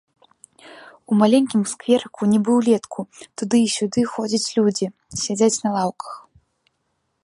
У маленькім скверыку, нібы ўлетку, туды і сюды ходзяць людзі, сядзяць на лаўках.